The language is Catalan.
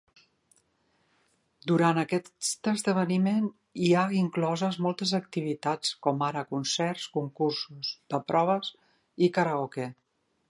Durant aquest esdeveniment, hi ha incloses moltes activitats com ara concerts, concursos de proves i karaoke.